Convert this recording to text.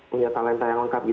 punya talenta yang lengkap